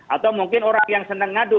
atau mungkin orang yang senang ngadu